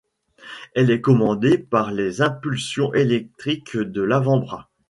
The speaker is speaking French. Elle est commandée par les impulsions électriques de l'avant-bras.